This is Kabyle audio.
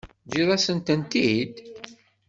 Teǧǧiḍ-asen-ten-id?